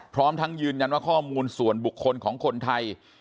พร้อมทั้งยืนยันว่าข้อมูลส่วนบุคคลของคนไทย